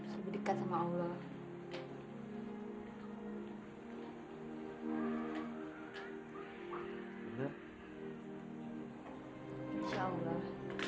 sudah diberikan oleh allah